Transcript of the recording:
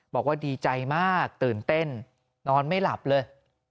บอกว่าดีใจมากตื่นเต้นนอนไม่หลับเลย